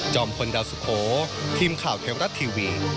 พลดาวสุโขทีมข่าวเทวรัฐทีวี